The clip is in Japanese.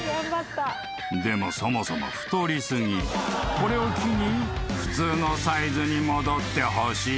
［これを機に普通のサイズに戻ってほしい］